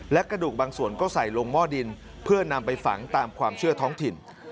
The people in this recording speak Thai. และกระดูกบางส่วนก็ใส่ลงหม้อดินเพื่อนำไปฝังตามความเชื่อท้องถิ่น